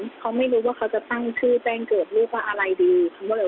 แล้วเค้าไม่รู้ว่าเค้าจะตั้งชื่อแปลงเกิดเรียกว่าอะไรดี